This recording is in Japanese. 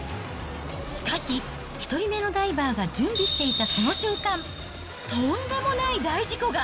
しかし、１人目のダイバーが準備していたその瞬間、とんでもない大事故が。